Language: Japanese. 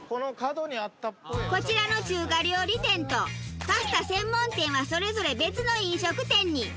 こちらの中華料理店とパスタ専門店はそれぞれ別の飲食店に。